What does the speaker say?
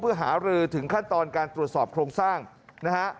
หารือถึงขั้นตอนการตรวจสอบโครงสร้างนะฮะ